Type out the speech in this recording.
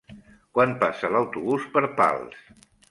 Quan passa l'autobús per Pals?